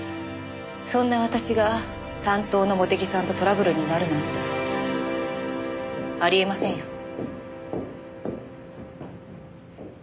そんな私が担当の茂手木さんとトラブルになるなんてありえませんよ。